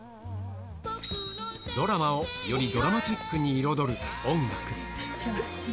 ドラマをよりドラマチックに彩る音楽。